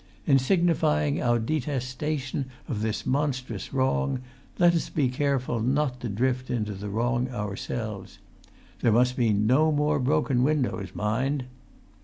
In signifying our detestation of this monstrous wrong, let us be careful not to drift into the wrong ourselves. There must be no more broken windows, mind!"